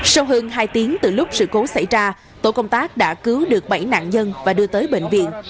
sau hơn hai tiếng từ lúc sự cố xảy ra tổ công tác đã cứu được bảy nạn nhân và đưa tới bệnh viện